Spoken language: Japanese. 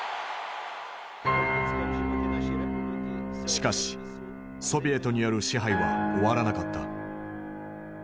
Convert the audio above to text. しかしソビエトによる支配は終わらなかった。